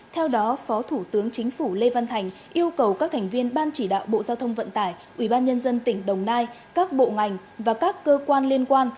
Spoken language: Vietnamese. theo đó phó thủ tướng chính phủ lê văn thành yêu cầu các thành viên ban chỉ đạo bộ giao thông vận tải ủy ban nhân dân tỉnh đồng nai các bộ ngành và các cơ quan liên quan